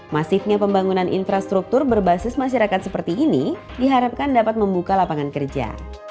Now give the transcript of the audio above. masifnya pembangunan infrastruktur berbasis masyarakat seperti ini diharapkan dapat membuka lapangan kerja